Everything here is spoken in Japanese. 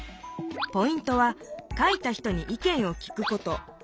ポイントは書いた人に意見を聞くこと。